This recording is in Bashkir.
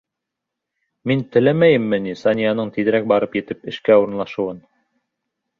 Мин теләмәйемме ни Санияның тиҙерәк барып етеп, эшкә урынлашыуын.